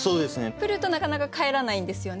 来るとなかなか帰らないんですよね。